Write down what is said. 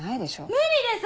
無理です！